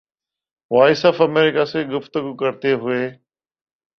voice of America سے گفتگو کرتے ہوئے